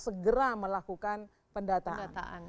segera melakukan pendataan